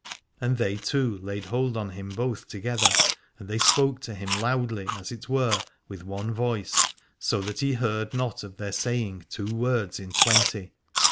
And they two laid hold on him both together, and they spoke to him loudly as it were with one voice, so that he heard not of their saying two words in twenty.